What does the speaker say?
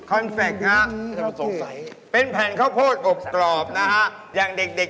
อันนี้ถูกมาก